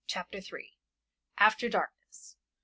CHAPTER III. AFTER DARKNESS.